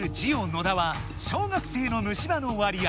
野田は「小学生の虫歯の割合」